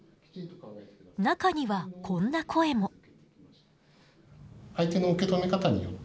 中にはこんな声も。